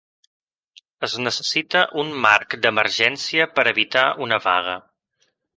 Es necessita un marc d'emergència per evitar una vaga.